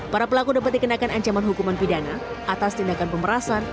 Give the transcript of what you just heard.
para pelaku dapat dikenakan ancaman hukuman pidana atas tindakan pemerasan